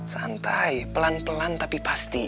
santai pelan pelan tapi pasti